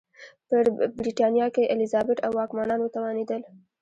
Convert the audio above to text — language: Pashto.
په برېټانیا کې الیزابت او واکمنان وتوانېدل.